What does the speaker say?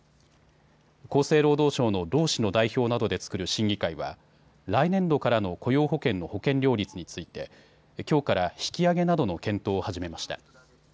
厚生労働省の労使の代表などで作る審議会は来年度からの雇用保険の保険料率についてきょうから引き上げなどの検討を始めました。